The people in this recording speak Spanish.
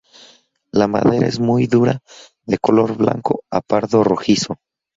La madera es muy dura, de color blanco a pardo rojizo.